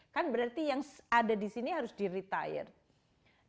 kan berarti yang ada di sini harus di retired